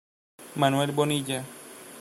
Manuel Bonilla.